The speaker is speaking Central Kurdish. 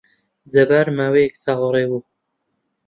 جەبار ماوەیەک چاوەڕێ بوو.